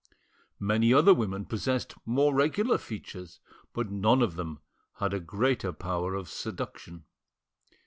Many other women possessed more regular features, but none of them had a greater power of seduction.